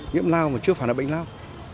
nhiễm lao mà chưa phải là bệnh lao